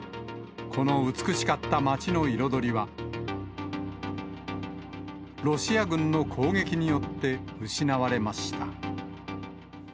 この美しかった街の彩りはロシア軍の攻撃によって失われました。